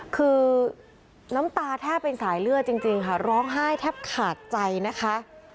คือน้ำตาแทบเป็นสายเลือดจริงค่ะร้องไห้แทบขาดใจนะคะ